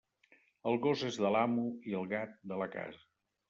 El gos és de l'amo, i el gat, de la casa.